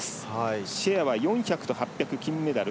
シェアは４００と８００金メダル。